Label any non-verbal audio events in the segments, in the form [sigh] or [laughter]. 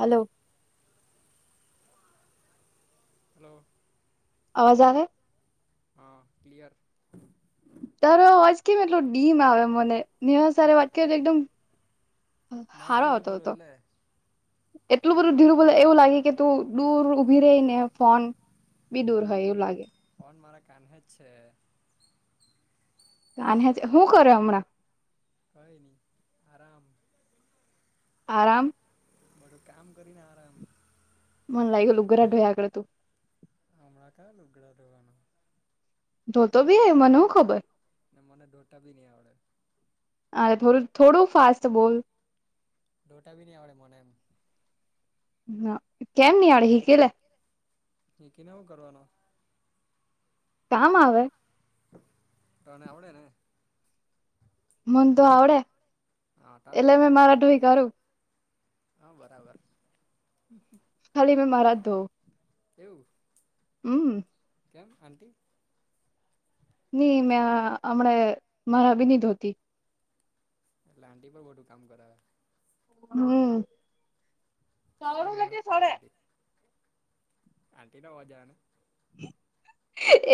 Hello hello. અવાજ આવે. હા ક્લીયર. તારો અવાજ કે એટલોું ડીમ આવે મને સ વાત કે એકદમ મેં જ ધીરું સારોતો બોલું હતો. એટલે એટલું બધું ધઢીરું બધું એવું લાગે કે તું દૂર ઉઊભી રહી ને ફોન. બી દૂર હોય એવું લાગે. ફોન મારા કાને જ છે. અને હ હું કરું હમણાં. કઈ નહિ આરામ. આરામ. બધું કામ કરીને આરામ. મન લાગ ગલુંગરરાઢોયાકે તું. હમણાં ક્યાં લુગડા રહેેવાનું. ધોતો બી એ મને હું ખબર. ને મનેઢોટા બી નહી આવડે. અરે થોડું થોડું ફાસ્ટ બોલ. ડોટા ભી નહીં આવડે મને એમ. હ કેમ નની અડ હી કેલે. ની કે ને શુ કરવાનો. કમ આવે. ટાણે આવડે ને. મ તો આવડે હા તો કઈ એટલે નહી મેં મારા દોઈ કરું. હા બરાબર. ખાલી મે મારા દો. એવું. હમ. કેમ આન્ટટી. નની મેં હમણાં મારાભીન ધોતી. લાંડી પર વધટું કામ કરાવ. હમ. એટલી સડે એટલે મહેનત કરે સડે. આટી આંટી નો અવાજ આવે.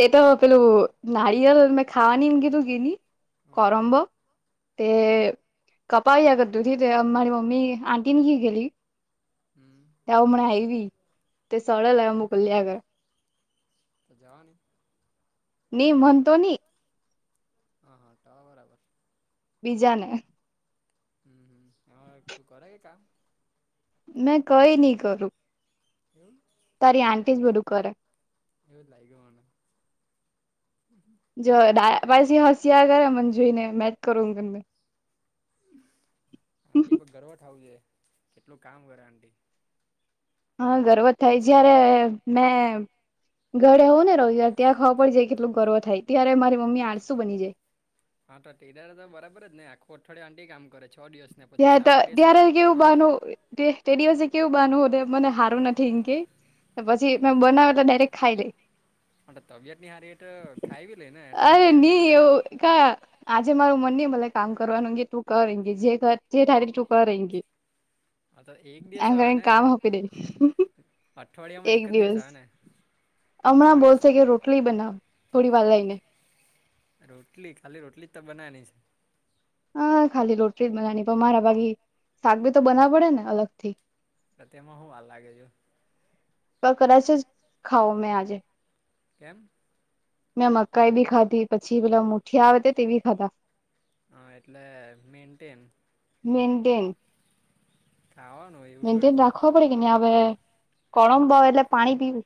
એટ પેલોું નાડયળ મે ખાવાનીમ કધું ને. હા કોરબો. તે કપાયા કદ્દીુથી તે મારી મમી આંટી નની હી ગેલી. હમ. ત મનાઈ વી તે સળ લ મુકલ્યા કરે. તો જવાની. ન મનતો નહી. હા હા તો બરાબર. બીજાને હમ હમ હ તું કરે કે કામ? મેં કઈ નહી કરું હું તારી આંટી જ બધું કરે એવું જ લાગ્યું મને જો દા પાછી હશિયા કરે મને જોઈને મે જ કરું એમ કરને. આંટી પણ ગર્વ ઠાઉજે કેટલું કામ કરે આંટી. હા ગર્વ થાય જય્યારે મેં ઘરે હોવ ને રવિવારે ત્યાં ખાવા પડી જાય કેટલું ગર્વ થાય ત્યારે મારી મમ્મી આળસુ બની જાય. હા તો તે દાડે તો બરાબર જ ને આખો અઠવાડિયો આંટી કામ કરે છ દિવસ ને પછી ત્યા તો સાતમા દિવસે ત્યારે કામ કેવું કરવાનો ને બાનુ તે તે દિવસે કેવું બાનું હોધે મને હારું નથી એમ કે. તો પછી મે બનાવે તો ડાયરેક્ટ ખાઈ લે. તબિયત ની હારી એટો ખાઈ બી લઈ ને તને અરે બી આંટી ની બનેને એવું કા આજે મારું મન નઈ મલે કામ કરવાનું તું કર જે કર જે ઠાય ટુ કર એકી હા તો એક દિવસ આ ઘરે આવે ને કામ હોપી દે અઠવાડિયામાં એક જ દિવસ આવે ને છ હમણાં દિવસ બોલશે કે રોટલી બનાવ થોડી વાર લઈને રોટલી ખાલી રોટલી ત બના ની છે. હા ખાલી રોટલી જ બનાવની પણ મારા ભાગી શાક બી તો બનાવ પડે ને અલગ થી ત તેમાં હું વાર લાગે જો ત કદાચ જ ખાઓ મેં આજે કેમ? મેં મકાઈ બી ખાધી પછી પેલા મ ઠીયા આવેતે તેબી ખાધા એટલે મેન્ટેન મેનન્ટેન ખાવાનું હોય મેન્ટેન રાખવા પડે કે ની હવે કળમ બ એટલે પાણી પીવું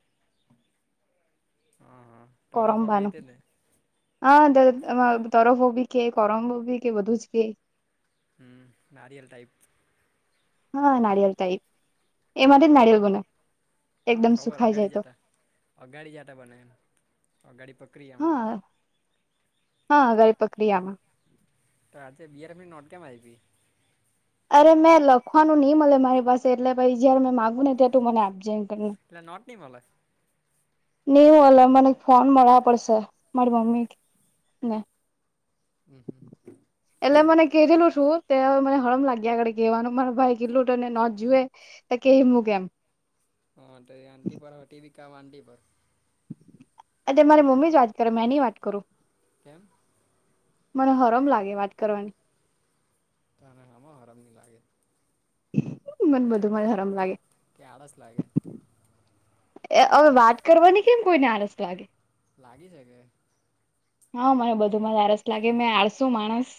હા હા ટરાફો કેય કોરમબાનું તેજને. હા તરફો બી કે કોરમો બી કે બધું જ કે. હ નાારીયલ ટાઈપ હા નારિયેલ ટાઈપ એમાંથી જ નારિયેલ બને. હા એકદમ ખબર સુખાઈ અગાડી જાય તો જતા અગાડી જતા બને એમ અગાડી પક્રિયામાં. હા હા અગાડી પક્રિયામાં તો આજે બીઆરફ ની નોટ કેમ આયપી. અરે મેં લખવાનું નઈ મળે મારી પાસે એટલે પછી જયારે મેં માગુ ને તે તું મને આપજે એમ કર ને. એટલે નોટ ની મલે નિ‌ મલે મને ફોન મળવા પડશે મારી મમ્મી ને હમ હમ એટલે મને કધેલું છું તે હવે મને હરમ લાગ્યા કરે કેવાનું મારે ભાઈ કેટલું હતને નોટ જુએ એ કહી મુુંકેમ હા તો આંટી પર હોટી બી કામ આંટી પર. અ તે મારી મમ્મી જ વાત કરે મે ની વાત કરું. કેમ મને હરમ લાગે વાત કરવાની. તને હામાં હરમ ની લાગે. મને બધું માજ હરમ લાગે કે આળસ લાગે હવે વાત કરવાની કેમ કોઈને આળસ લાગે લાગી છેકે હા મને બધું માં આારસ લાગે મેં આડશું માણસ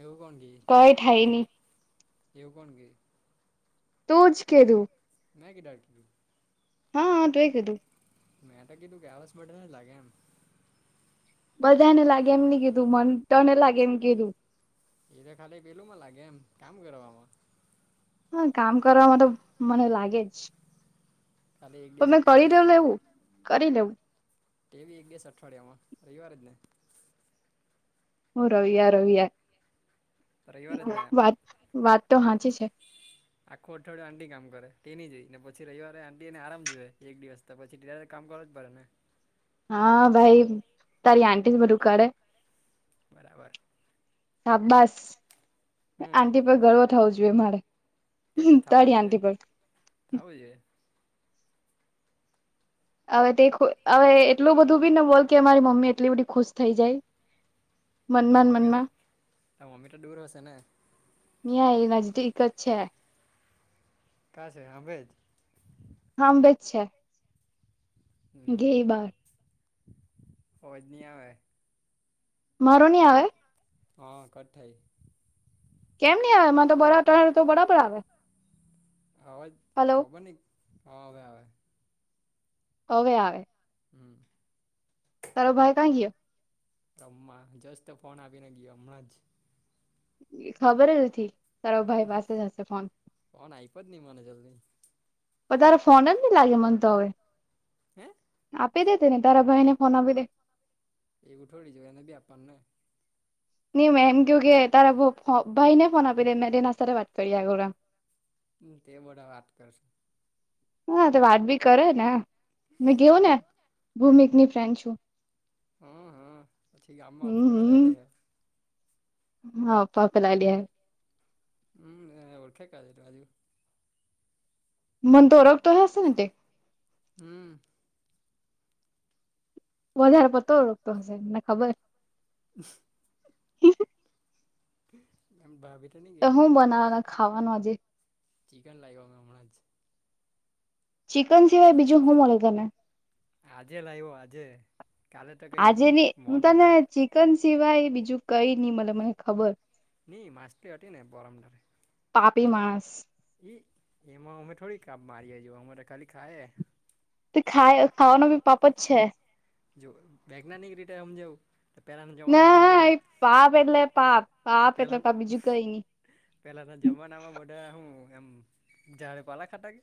એવું કોણ કે કઈ થાય નહી એવું કોણ કે તોજ કેધું મે કે ડાક્ટર તું હા હા તે એ કીધું મેં તો કીધું ગયા વસ મટ લાગે એમ બધાને લાગે એમ નની કીધું મન તને લાગે એમને કીધું એ તો ખાલી પેલું માં લાગે એમ કામ કરવામાં હા કામ કરવામાં તો મને લાગે જ કાલે એક પણ દિવસ મેં કરી દઉ અઠવાડિયામાં કામ કરો લેવું કરી લેવું ટેવી એક બેસ અઠવાડિયામાં રવિવાર જ ને હું રવય રવય રવિવાર જ ને વાત વાત તો સાચી છે. આખો અઠવાડિયે આંટી કામ કરે તેની જ જોઈ ને પછી રવવારે આંટી એને આરામ જોએ એક દિવસ તો પછી તે ભારે તો કામ કરવુજ પડે ને હા ભાઈ, તારી આન્ટી જ બધું કરે. બરાબર સાબ્બાસ, હમ આન્ટી પર ગર્વ થવું જુએ મારે. તે તો થાવું તારી જોયે, આંટી પર થાવું જોયે અવે તે ખોલ અવે એટલું બધું બી ન બોલ કે મારી મમ્મી એટલી બધી ખુશ થઈ જાય. તાર મનમાં મમ્મી તો, મનમાં તારી મમ્મી ત દૂર હશે ને? ની આઈ નજદીક જ છે. કા છે? હાભે જ? હાંભે જ છે. હમ, ગેય બાર અવાજ ની આવે. મારો ની આવે? હ, કટ થાઈ. કેમ ની આવે, મને ત બરાબ તારો ત બરાબર આવે. અવાજ હલો ખબરની, હ, અવે આવે. હવે આવે. હમ, તારો ભાઈ કા ગીયો? રમ્મા, જસ્ટ ફોન આપીને ગીયો, અમણાં જ ખબર જ ઉતી, તારો ભાઈ પાસે જ હશે ફોન. ફોન આયપો જ ની મને જલ્દી. ઓય, તારો ફોન જ ની લાગે મને તો અવે, હે આપી દે તેને તારા ભાઈને ફોન આપી દે. એવું થોડી જો એને બી આપાનું ને. ની મે એમ કેઉ કે, તારા ભ ફ ભાઈને ફોન આપી દે, મેં તેના સાથે વાત કર્યા કરું એમ ની તે બધા વાત કરશું. હ, તો વાત બી કરે ને, મે કેઉ ને હ ભૂમિકની ફ્રેન્ડ છું. હ, હ, પછી ગામમાં અફવા ફેલાવી દેહે. હ, અફ્ફા ફેલાવી દેહે. હમ, એને ઓળખે કા આજે તું આજું. મને તો ઓળખતો હશે ને તે હમ, વધારે પડતો જ ઓડખતો હશે, મને ખબર. [unintelligible] [unintelligible] એમ, ભાભી ત ની તો કેય એમ ત. હું બનાવવાના ખાવાનું આજે? ચિકન લાયવો મે હમણાં જ ચિકન સિવાય બીજું હું મલે તને? આજે લાયવો આજે. કાલે તો કઈ આજે ની, હું તને મોઘટા ચિકન સિવાય બીજું કઈ ની મલે મને ખબર. ની માછલી અતી ને પરમદાળે, પાપી માણસ. ઈ એમાં અમે થોડી કાપ મારીએ જો, અમે તો ખાલી ખાયે. તે ખાય, ખાવાનું બી પાપ જ છે. જો વૈજ્ઞાનિક રીતે હમજાવું? ના, એ પાપ એટલે પાપ, પાપ એટલે પાપ, બીજું કઈ ની. પેલાના જમાનામાં બધા હું, એમ ઝાડી પાલા ખાતા કે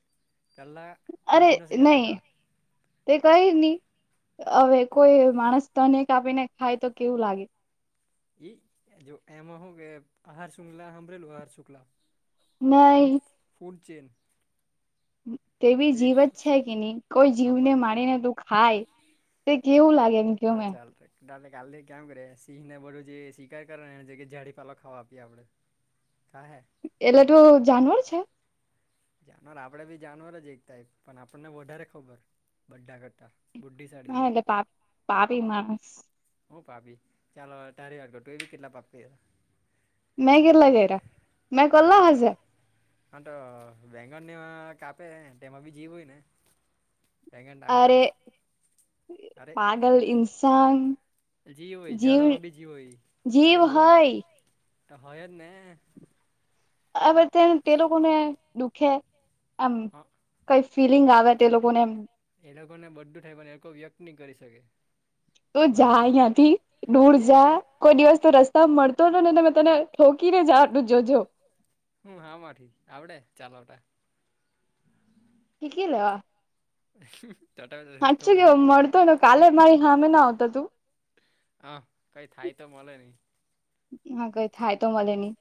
પેલ્લા અરે નઈ. તે કઈ ની, અવે કોઈ માણસ તને કાપીને ખાય તો કેવું લાગે? ઈ એ જો એમાં હું કે આહાર શુંગલા હાંભરેલું આહાર શુંક્લા? નઈ. ફૂડ ચેઈન તે બી જીવ જ છે કે ની, કોઈ જીવને આપણ મારીને તું ખાય તે કેવું લાગે એમ? કયો હા મેં ચાલ રે ટાલે કાલથી ક્યામ કરીએ સિંહ ને બધું જે શિકાર કર એ જાડીપાલો ખાવા આપીએ આપડે. થા હૈ એટલે તું જાનવર છે. જાનવર આપડે બી જાનવર જ એક ટાઇપ પણ આપણને વધારે ખબર બધા કરતા. બુદ્ધિ સાળી હા જીવ એટલે પાપ પાપી માણસ હું કાપી ચાલો તારી વાટ કર તું એ બી કેટલા પાપ કયરા. મેં કેટલા કયરા મેં કરલા હજા આ તો વેન્ગન ને કાપે તેમાં બી જીવ હોય ને. બેેંગન અરે ટામેટમાં પાગલ ઇન્સાન જીવ હોય જાવડામાં બી જી હોય જીવ ખાલી બોલ હય તો હોય જ ને. હવે તે તે લોકોને દુખે એમ હા કઈ ફિલિંગ આવે તે લોકોને એમ. એ લોકોને બધું થાય વાને એ લોકો વ્યક્ત ની કરી શકે. તું જા બહાર અહીંયા થી દૂર એ જા કોઈ દિવસ તો રસ્તા મળતો ને મે તને ઠો કીને જવાનું જોજો હમ હામાંઠી આવડે ચાલવતા. [unintelligible] હીખી લેવા. સાાચું કેવ મળતો ને કાલે મારી સામે ના આવતો તું. હ કઈ થાય તો મલે નીં. હા કઈ થાય તો મળે ની.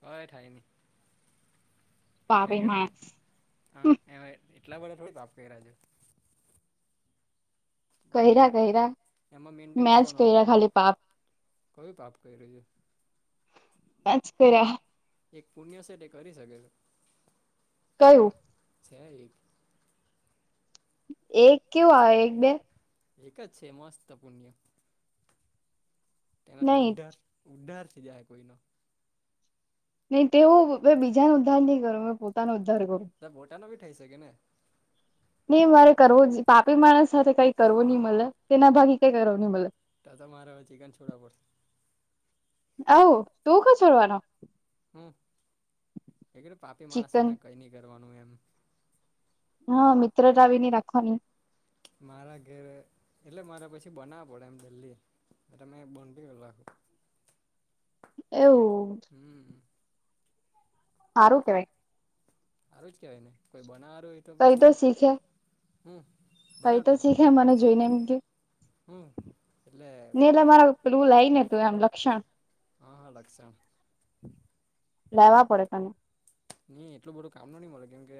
કઈ થાય નઈ પાપી કારણકે માણસ હા એમેં એટલા બધા થોડી પાપ કર્યા છે મેન કર્યા કર્યા એમાં મેન્ટેન મે જ કરવાનો આવે કર્યા ખાલી પાપ કયું પાપ કર્યું છે મેજ કયરા એક પુણ્ય સેટ એ કરી શકે છે કયું છે એક એક કેવું આવે એક બે એક જ છે મસ્ત પુણ્ય તેનાથી નહી ઉદ્ધાર ઉદ્ધાર થઈ જાય કોઈનો નહી તેવું મેં બીજા નું ઉદ્ધાર ની કરું મે પોતાનો ઉદ્ધાર કરું તાર ગોટા નો બી થઈ શકે ને ની મારે કરવું જ પાપી માણસ સાથે કઈ કરવું ની મલે તેના ભાગી કઈ કરવું ની મલે તો તો મારે હવે ચિકન છોડવા પડશે આઉ તું ક છોડવાનો હમ મેં કીધું પાપી માણસ ચિકન સાથને કઈ ની કરવાનું એમ હા મિત્રતા બી ની રાખવાની મારા ઘેરે એટલે મારે પછી બનાવ પડે એમ જલ્દી અને બંધ બી વહેલો રાખું એવું હમ હારું કેવાય હારું જ કેવાય ને કોઈ બનાવારૂ હોય કઈ તો શીખે હું કઈ તો બનાવતા શીખે મને જોઈને એમ હું એટલે ની એટલે મારા પેલુ લાઇ ને તું એમ લક્ષણ હા હા લક્ષણ લાવા પડે તને ની એટલું બધું કામ નું ની મળે કેમ કે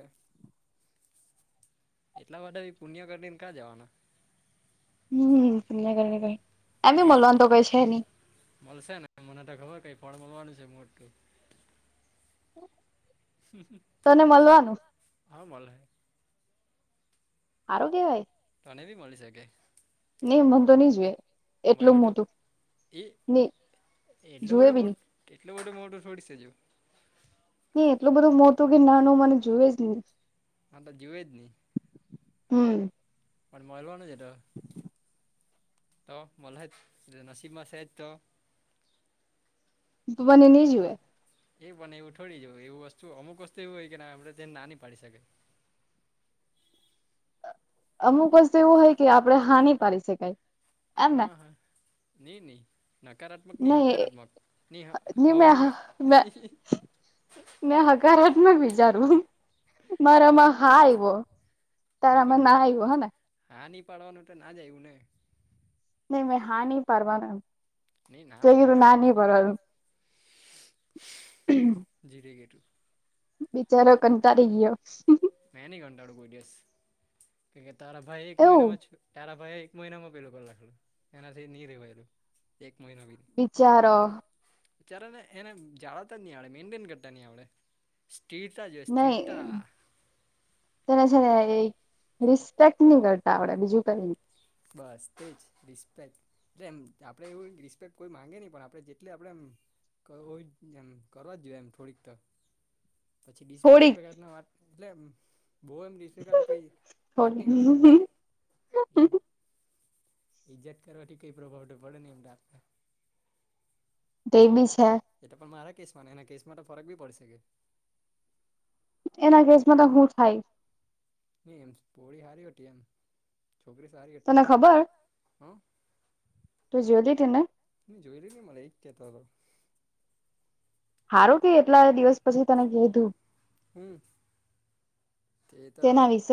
એટલા બધા પુણ્ય કરીને ક્યાં જવાના હમ [unintelligible] એમી મેન મલવાનું તો કઈ છે ની મળશે ને મને તો ખબર કઈ ફળ મળવાનું છે મોટું હમ હમ તને મળવાનું હા મલહે હારૂ કેવાય તને બી મળી શકે ની મન તો ની જોએ એટલું મળલું મોટું ની એટલુ બધુ મોટ એટલુ બધું મોટો થોડી છે જો ની એટલું બધું મોટું કે નાનું મને જોવે જ ની હા તો જોવે જ ની હમ પણ મળવાનું જ એટ તો મલહેજ નસીબમાં સેજ તો મને નહી જુએ [inaudible] એ પણ એવું થોડી જવું એવું વસ્તુ અમુક વસ્તુ એવી હોય કે આપડે તેને નાની પાડી શકાય અમુક વસ્તુ એવું હોય કે આપડે હા ની પાડી શકાય એમ ને ની ની નકારાત્મક નહી હકારાત્મક ની હ હવેની હ મે હકારાત્મક વિચારું, મારામાં હા આઇવો. તારા નહીં મા પણ ના આવ્યું હે ને. હા ની પાડવાનું તો ના જ આયવું ને. નહી મેં હાની પવાના, નહીં ના જોયું તો ના નાની બરાબ. ધીરે ગેટુ બિચારો કંટાળી ગયો. મે ની કંટાળો કોઈ દિવસ, કે તારા ભાઈ એક એવું મહિનામાં, તારા ભાઈ એ એક મહિનામાં પેલું કર રાખેલું, એનાથી ની રેવાયેલું, એક મહિના બી નહી. બિચારો. ચારેને એને જાળતજ નહી આડે, મેન્ટેન કરતા ની આવડે, સ્કિડ નહી તેને છે ને એ રિસ્પેક્ટ નહી કરતા આવડે, બીજું કઈ નહિ. બસ તે જ રિસ્પેક્ટ. જેમ કે આપડે એવું રિસ્પેક્ટ કોઈ માગે નહીં, પણ આપણે જેટલી આપડે આમ કરો હોય, જેમ કરવાજ જોઈએ, થોડીક તો. પછી ડીશરિફ થોડીક મા વાત એટલે એમ બઉ એમ સે કલ્પે વાત થોડી નહી કરવાની, એમ ઈજત કરવાથી કઈ પ્રભાવ તો પડે નહિ, એમ આપતા તે બી સે એ તો પણ મારા કેસમાં, ને એના કેસમાં તો ફરક બી પડીશેકે એના કેસ માં તો હું થાય? નઈ એમ પોળી હારી હટી એમ, છોકરી સારી હતી, તને ખબર હ તું જોયેલી તેને? ની જોયેલી ની મળે, એ જ કહેતો હતો. હારું કે એટલા દિવસ પછી તને કીધું. હમ્મ તે તો તેના વિશે